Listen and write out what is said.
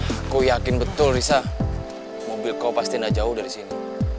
aku yakin betul risa mobil kau pasti tidak jauh dari sini